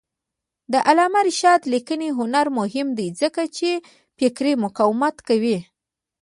د علامه رشاد لیکنی هنر مهم دی ځکه چې فکري مقاومت کوي.